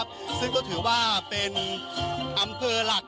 มันอาจจะเป็นแก๊สธรรมชาติค่ะ